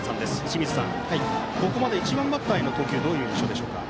清水さん、ここまで１番バッターへの投球はどういう印象でしょうか？